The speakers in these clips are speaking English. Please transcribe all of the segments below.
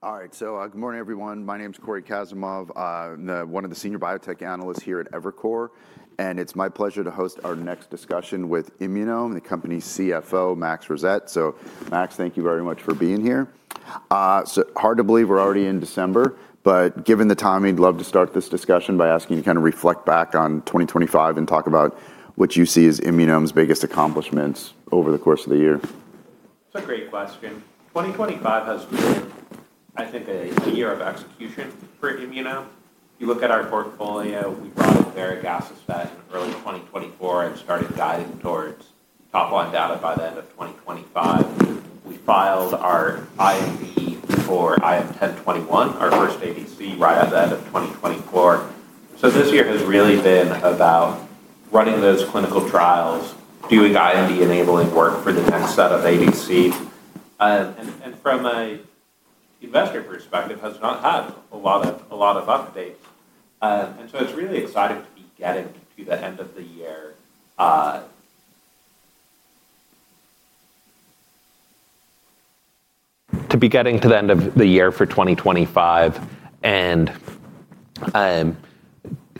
All right, so good morning, everyone. My name is Cory Kasimov. I'm one of the senior biotech analysts here at Evercore, and it's my pleasure to host our next discussion with Immunome and the company's CFO, Max Rosett. Max, thank you very much for being here. It's hard to believe we're already in December, but given the time, I'd love to start this discussion by asking you to reflect back on 2025 and talk about what you see as Immunome's biggest accomplishments over the course of the year. That's a great question. 2025 has been a year of execution for Immunome. If you look at our portfolio, we brought in AL102 in early 2024 and started guiding towards top-line data by the end of 2025. We filed our IND for IM1021, our first ADC, right at the end of 2024. This year has really been about running those clinical trials, doing IND-enabling work for the next set of ADCs, and from an investor perspective, it has not had a lot of updates, and so it's really exciting to be getting to the end of the year. To be getting to the end of the year for 2025 and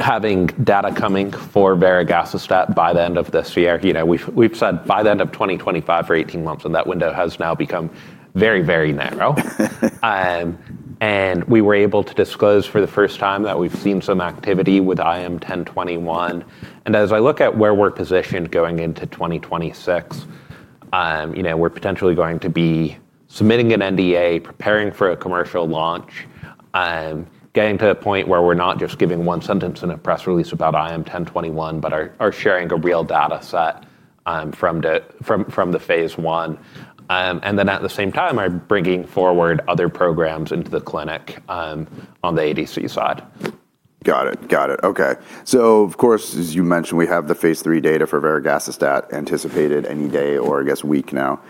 having data coming for AL102 by the end of this year. We've said by the end of 2025 for 18 months, and that window has now become very, very narrow. We were able to disclose for the first time that we've seen some activity with IM1021. As I look at where we're positioned going into 2026, we're potentially going to be submitting an NDA, preparing for a commercial launch, getting to a point where we're not just giving one sentence in a press release about IM1021, but are sharing a real data set from the phase one. At the same time, we're bringing forward other programs into the clinic on the ADC side. Got it. Okay. As you mentioned, we have the phase 3 data for AL102 anticipated any day or week now.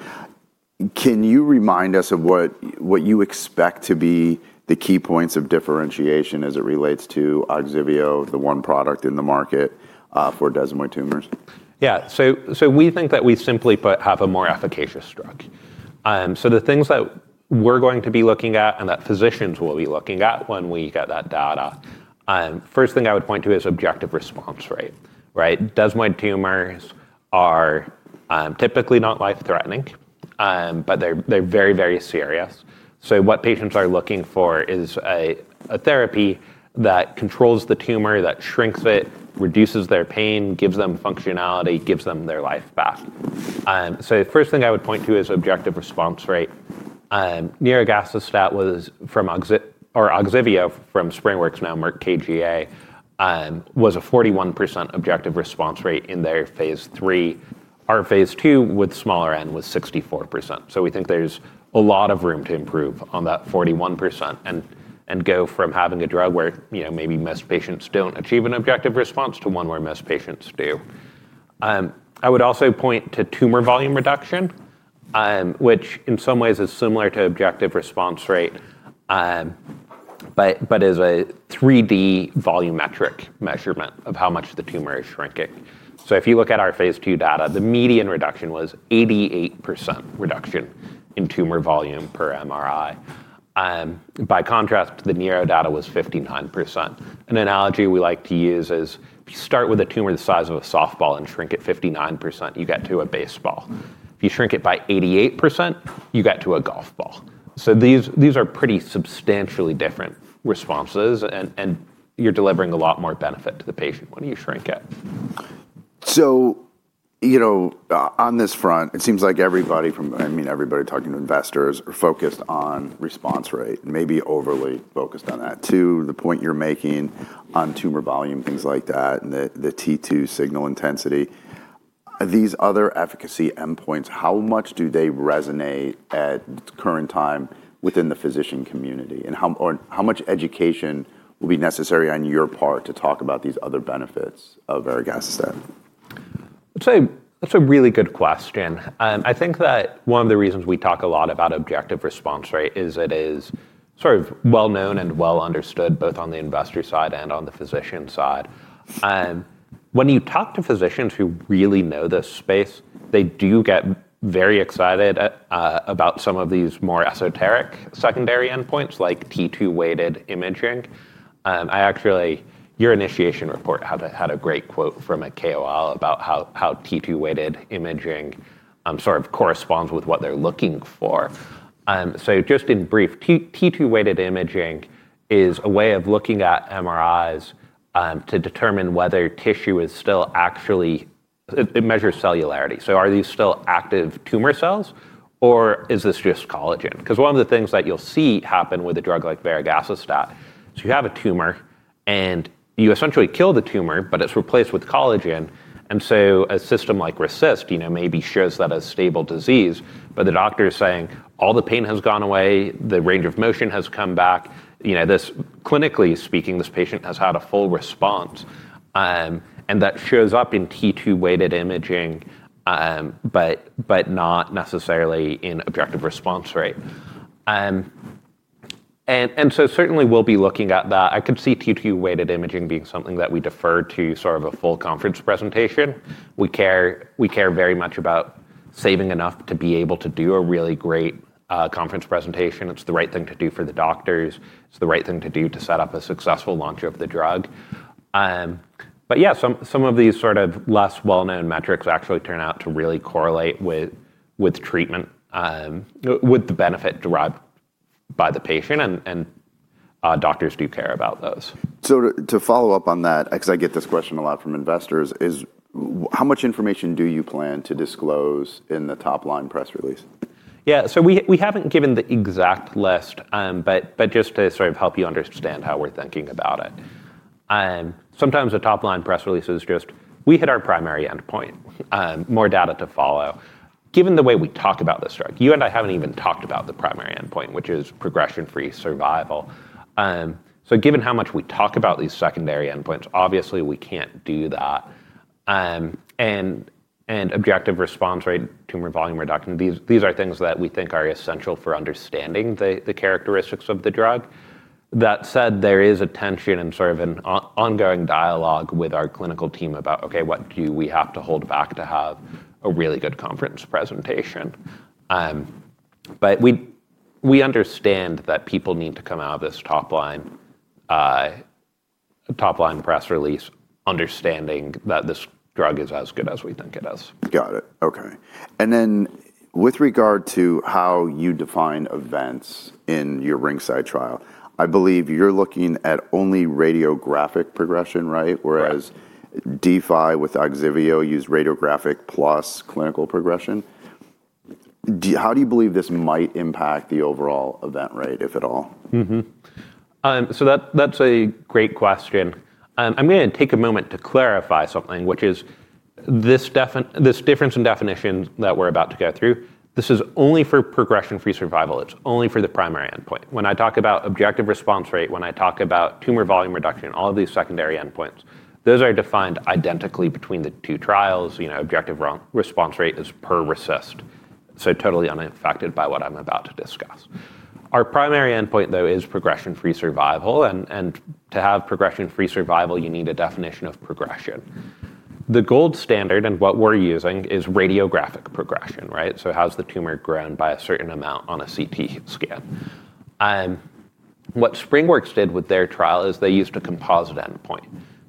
Can you remind us of what you expect to be the key points of differentiation as it relates to OGSIVEO, the one product in the market for desmoid tumors? Yeah. That we simply have a more efficacious drug. The things that we're going to be looking at and that physicians will be looking at when we get that data, the first thing I would point to is objective response rate. Desmoid tumors are typically not life-threatening, but they're very, very serious. What patients are looking for is a therapy that controls the tumor, that shrinks it, reduces their pain, gives them functionality, gives them their life back. The first thing I would point to is objective response rate. Nirogacestat or OGSIVEO from SpringWorks, now marked KGA, was a 41% objective response rate in their phase 3. Our phase 2 with smaller end was 64%. There's a lot of room to improve on that 41% and go from having a drug where maybe most patients don't achieve an objective response to one where most patients do. I would also point to tumor volume reduction, which in some ways is similar to objective response rate, but is a 3D volume metric measurement of how much the tumor is shrinking. If you look at our phase 2 data, the median reduction was 88% reduction in tumor volume per MRI. By contrast, the Niro data was 59%. An analogy we like to use is if you start with a tumor the size of a softball and shrink it 59%, you get to a baseball. If you shrink it by 88%, you get to a golf ball. These are pretty substantially different responses, and you're delivering a lot more benefit to the patient when you shrink it. This front, it seems like everybody from, everybody talking to investors are focused on response rate, maybe overly focused on that, to the point you're making on tumor volume, things like that, and the T2 signal intensity. These other efficacy endpoints, how much do they resonate at current time within the physician community, and how much education will be necessary on your part to talk about these other benefits of AL102? That's a really good question. That one of the reasons we talk a lot about objective response rate is it is well-known and well-understood both on the investor side and on the physician side. When you talk to physicians who really know this space, they do get very excited about some of these more esoteric secondary endpoints like T2-weighted imaging. I actually, your initiation report had a great quote from a KOL about how T2-weighted imaging corresponds with what they're looking for. Just in brief, T2-weighted imaging is a way of looking at MRIs to determine whether tissue is still actually. It measures cellularity. Are these still active tumor cells, or is this just collagen? One of the things that you'll see happen with a drug like AL102, so you have a tumor, and you essentially kill the tumor, but it's replaced with collagen. A system like RECIST maybe shows that as stable disease, but the doctor is saying all the pain has gone away, the range of motion has come back. Clinically speaking, this patient has had a full response, and that shows up in T2-weighted imaging, but not necessarily in objective response rate, and so certainly we'll be looking at that. I could see T2-weighted imaging being something that we defer to a full conference presentation. We care very much about saving enough to be able to do a really great conference presentation. It's the right thing to do for the doctors. It's the right thing to do to set up a successful launch of the drug, but yeah, some of these less well-known metrics actually turn out to really correlate with treatment, with the benefit derived by the patient, and doctors do care about those, To follow up on that, because I get this question a lot from investors, is how much information do you plan to disclose in the top-line press release? Yeah. We haven't given the exact list, but just to help you understand how we're thinking about it. Sometimes a top-line press release is just, we hit our primary endpoint, more data to follow. Given the way we talk about this drug, you and I haven't even talked about the primary endpoint, which is progression-free survival. Given how much we talk about these secondary endpoints, obviously we can't do that. Objective response rate, tumor volume reduction, these are things that we think are essential for understanding the characteristics of the drug. That said, there is a tension and an ongoing dialogue with our clinical team about, okay, what do we have to hold back to have a really good conference presentation? We understand that people need to come out of this top-line press release understanding that this drug is as good as we think it is. Got it. Okay. With regard to how you define events in your RINGSIDE trial, I believe you're looking at only radiographic progression, right? Whereas DeFi with OGSIVEO used radiographic plus clinical progression. How do you believe this might impact the overall event rate, if at all? That's a great question. I'm going to take a moment to clarify something, which is this difference in definition that we're about to go through. This is only for progression-free survival. It's only for the primary endpoint. When I talk about objective response rate, when I talk about tumor volume reduction, all of these secondary endpoints, those are defined identically between the two trials. Objective response rate is per RECIST. Totally unaffected by what I'm about to discuss. Our primary endpoint, though, is progression-free survival. To have progression-free survival, you need a definition of progression. The gold standard and what we're using is radiographic progression, right? How's the tumor grown by a certain amount on a CT scan? What SpringWorks did with their trial is they used a composite endpoint.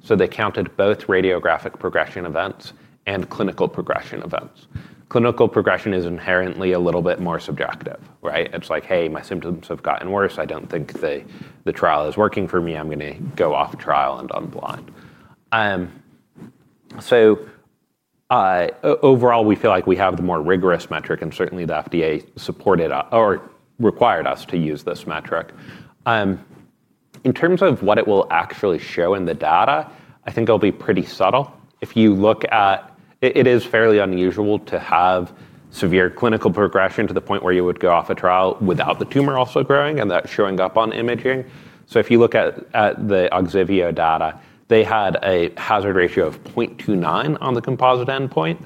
They counted both radiographic progression events and clinical progression events. Clinical progression is inherently a little bit more subjective, right? It's like, hey, my symptoms have gotten worse. I don't think the trial is working for me. I'm going to go off trial and unblind. Overall, we feel like we have the more rigorous metric, and certainly the FDA supported or required us to use this metric. In terms of what it will actually show in the data, it'll be pretty subtle. If you look at it, it is fairly unusual to have severe clinical progression to the point where you would go off a trial without the tumor also growing and that showing up on imaging. If you look at the OGSIVEO data, they had a hazard ratio of 0.29 on the composite endpoint.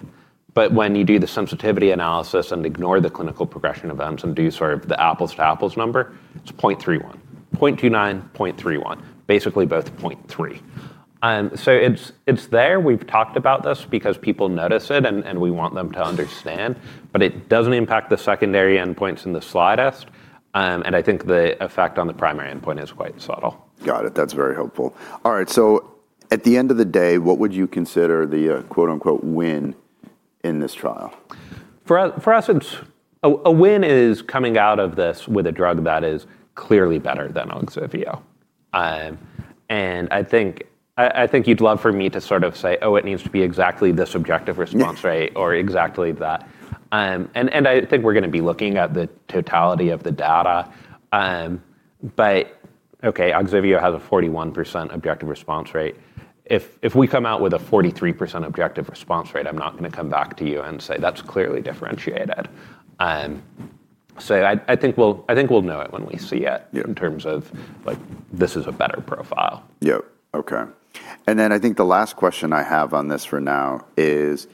When you do the sensitivity analysis and ignore the clinical progression events and do the apples-to-apples number, it's 0.31, 0.29, 0.31. Basically both 0.3. It's there. We've talked about this because people notice it, and we want them to understand. It doesn't impact the secondary endpoints in the slide test. The effect on the primary endpoint is quite subtle. Got it. That's very helpful. All right. At the end of the day, what would you consider the "win" in this trial? For us, a win is coming out of this with a drug that is clearly better than OGSIVEO. You'd love for me to say, oh, it needs to be exactly this objective response rate or exactly that. We're going to be looking at the totality of the data. Okay, OGSIVEO has a 41% objective response rate. If we come out with a 43% objective response rate, I'm not going to come back to you and say that's clearly differentiated. We'll know it when we see it in terms of this is a better profile. Yep. Okay. The last question I have on this for now is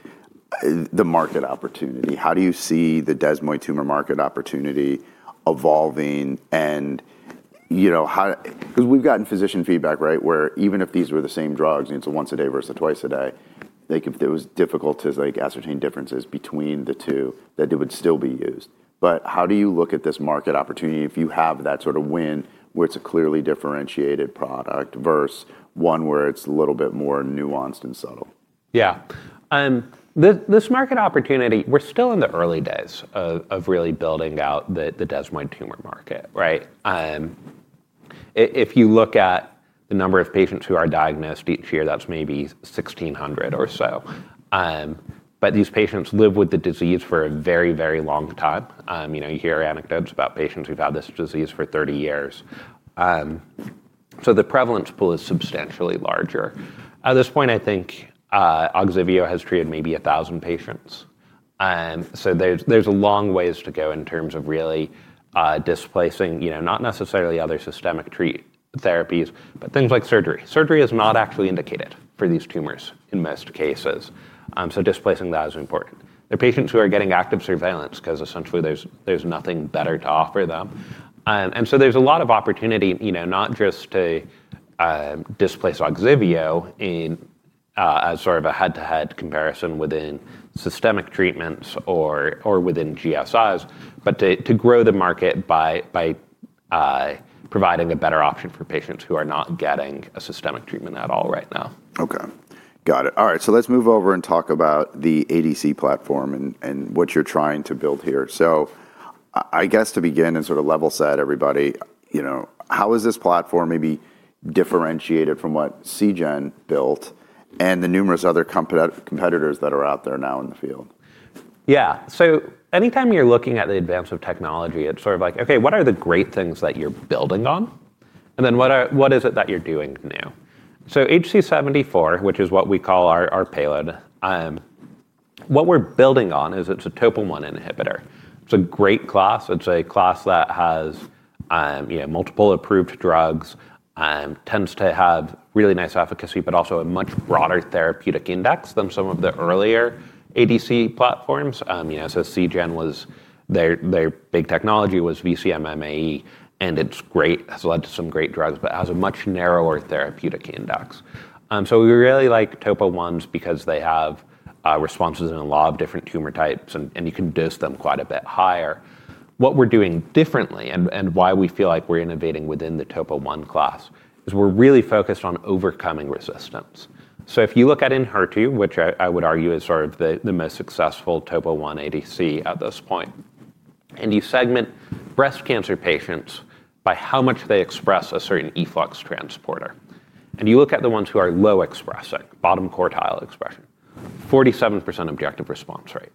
the market opportunity. How do you see the desmoid tumor market opportunity evolving? We've gotten physician feedback, right, where even if these were the same drugs, it's a once a day versus a twice a day, it was difficult to ascertain differences between the two that it would still be used. How do you look at this market opportunity if you have that win where it's a clearly differentiated product versus one where it's a little bit more nuanced and subtle? Yeah. This market opportunity, we're still in the early days of really building out the desmoid tumor market, right? If you look at the number of patients who are diagnosed each year, that's maybe 1,600 or so. These patients live with the disease for a very, very long time. You hear anecdotes about patients who've had this disease for 30 years. The prevalence pool is substantially larger. At this point, OGSIVEO has treated maybe 1,000 patients, so there's a long ways to go in terms of really displacing not necessarily other systemic treatment therapies, but things like surgery. Surgery is not actually indicated for these tumors in most cases, so displacing that is important. The patients who are getting active surveillance because essentially there's nothing better to offer them, and so there's a lot of opportunity, not just to displace OGSIVEO as a head-to-head comparison within systemic treatments or within GSIs, but to grow the market by providing a better option for patients who are not getting a systemic treatment at all right now. Okay. Got it. All right, so let's move over and talk about the ADC platform and what you're trying to build here. To begin and level set everybody, how is this platform maybe differentiated from what CGEN built and the numerous other competitors that are out there now in the field? Yeah. Anytime you're looking at the advance of technology, it's like, okay, what are the great things that you're building on? What is it that you're doing new? HC-74, which is what we call our payload, what we're building on is it's a Topo I inhibitor. It's a great class. It's a class that has multiple approved drugs, tends to have really nice efficacy, but also a much broader therapeutic index than some of the earlier ADC platforms. CGEN was their big technology was vc-MMAE, and it's great. It's led to some great drugs, but has a much narrower therapeutic index. We really like Topo Is because they have responses in a lot of different tumor types, and you can dose them quite a bit higher. What we're doing differently and why we feel like we're innovating within the Topo I class is we're really focused on overcoming resistance. If you look at ENHERTU, which I would argue is the most successful Topo I ADC at this point, and you segment breast cancer patients by how much they express a certain efflux transporter. You look at the ones who are low expressing, bottom quartile expression, 47% objective response rate.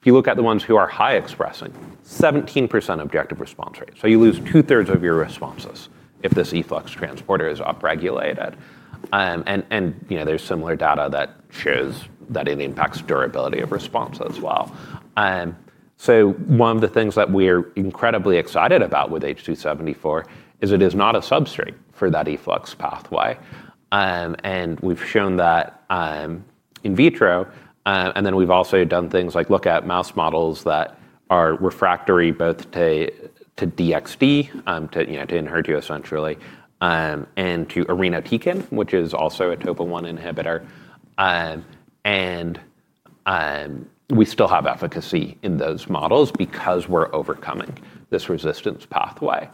If you look at the ones who are high expressing, 17% objective response rate. You lose two-thirds of your responses if this efflux transporter is upregulated. There's similar data that shows that it impacts durability of response as well. One of the things that we are incredibly excited about with HC-74 is it is not a substrate for that efflux pathway. We've shown that in vitro. We've also done things like look at mouse models that are refractory both to DXd, to ENHERTU essentially, and to irinotecan, which is also a Topo I inhibitor. We still have efficacy in those models because we're overcoming this resistance pathway.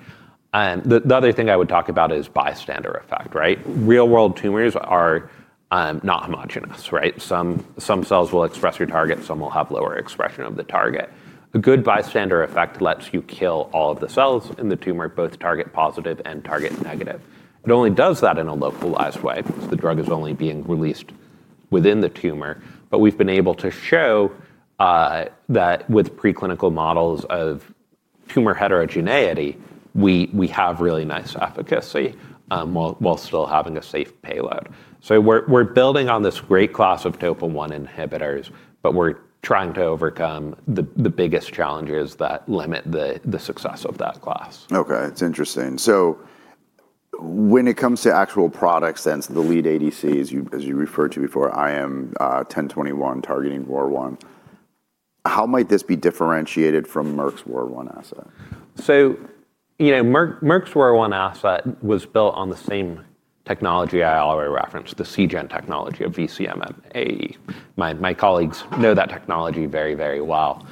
The other thing I would talk about is bystander effect, right? Real-world tumors are not homogenous, right? Some cells will express your target. Some will have lower expression of the target. A good bystander effect lets you kill all of the cells in the tumor, both target positive and target negative. It only does that in a localized way because the drug is only being released within the tumor. We've been able to show that with preclinical models of tumor heterogeneity, we have really nice efficacy while still having a safe payload. We're building on this great class of Topo I inhibitors, but we're trying to overcome the biggest challenges that limit the success of that class. Okay. It's interesting. When it comes to actual products, then the lead ADCs, as you referred to before, IM-1021, targeting ROR1, how might this be differentiated from Merck's ROR1 asset? Merck's ROR1 asset was built on the same technology I already referenced, the Seagen technology of vc-MMAE. My colleagues know that technology very, very well.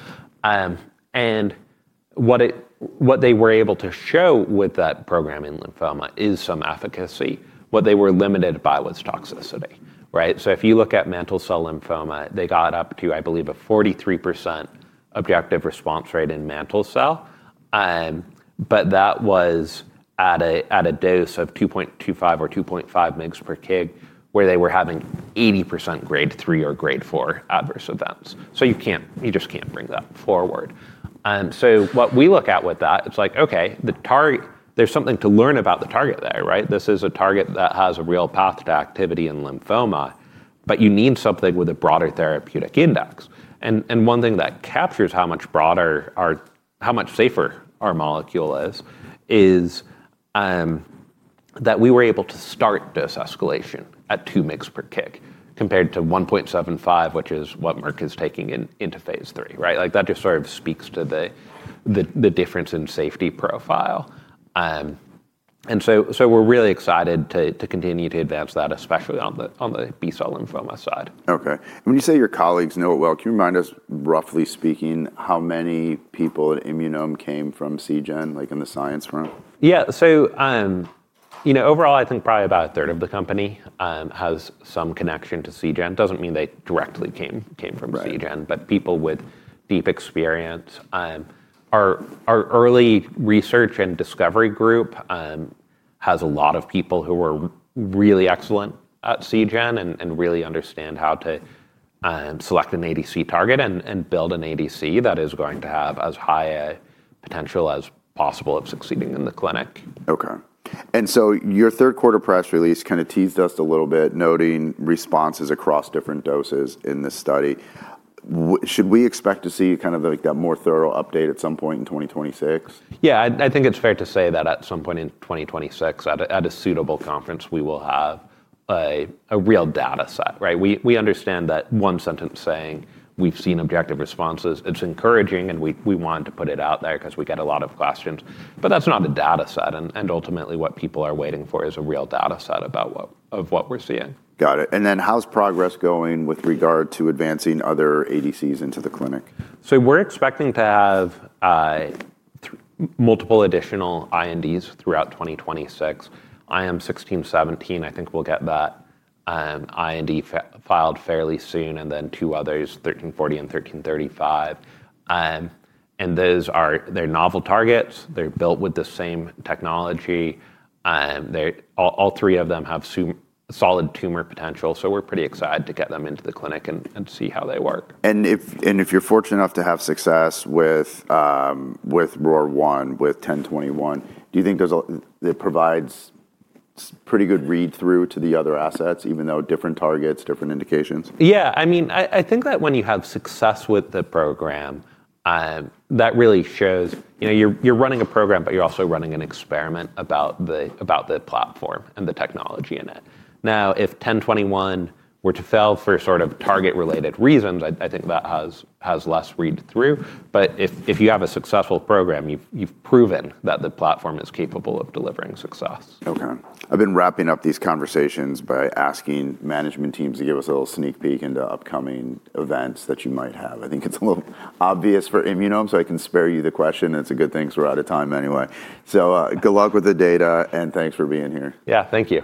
What they were able to show with that program in lymphoma is some efficacy. What they were limited by was toxicity, right? If you look at mantle cell lymphoma, they got up to a 43% objective response rate in mantle cell. That was at a dose of 2.25 or 2.5 mg per kg where they were having 80% grade three or grade four adverse events. You just can't bring that forward. What we look at with that, it's like, okay, there's something to learn about the target there, right? This is a target that has a real path to activity in lymphoma, but you need something with a broader therapeutic index. One thing that captures how much safer our molecule is, is that we were able to start this escalation at two mg per kg compared to 1.75, which is what Merck is taking into phase three, right? That just speaks to the difference in safety profile. We're really excited to continue to advance that, especially on the B-cell lymphoma side. Okay. When you say your colleagues know it well, can you remind us, roughly speaking, how many people at Immunome came from CGEN, like in the science room? Yeah. Overall, probably about a third of the company has some connection to CGEN. Doesn't mean they directly came from CGEN, but people with deep experience. Our early research and discovery group has a lot of people who were really excellent at CGEN and really understand how to select an ADC target and build an ADC that is going to have as high a potential as possible of succeeding in the clinic. Okay. Your third quarter press release teased us a little bit, noting responses across different doses in this study. Should we expect to see that more thorough update at some point in 2026? Yeah. it's fair to say that at some point in 2026, at a suitable conference, we will have a real data set, right? We understand that one sentence saying, "We've seen objective responses." It's encouraging, and we want to put it out there because we get a lot of questions. That's not a data set. Ultimately, what people are waiting for is a real data set of what we're seeing. Got it. How's progress going with regard to advancing other ADCs into the clinic? We're expecting to have multiple additional INDs throughout 2026. IM-1617, I think we'll get that IND filed fairly soon, and then two others, IM-1340 and IM-1335. They're novel targets. They're built with the same technology. All three of them have solid tumor potential. We're pretty excited to get them into the clinic and see how they work. If you're fortunate enough to have success with ROR1 with IM1021, do you think it provides pretty good read-through to the other assets, even though different targets, different indications? Yeah. That when you have success with the program, that really shows you're running a program, but you're also running an experiment about the platform and the technology in it. Now, if IM1021 were to fail for target-related reasons that has less read-through. If you have a successful program, you've proven that the platform is capable of delivering success. Okay. I've been wrapping up these conversations by asking management teams to give us a little sneak peek into upcoming events that you might have. It's a little obvious for Immunome, so I can spare you the question. It's a good thing because we're out of time anyway. Good luck with the data, and thanks for being here. Yeah. Thank you.